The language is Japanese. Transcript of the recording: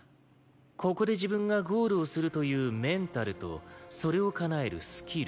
ここで自分がゴールをするというメンタルとそれをかなえるスキル。